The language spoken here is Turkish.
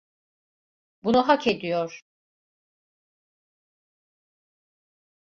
Bunu hak ediyor.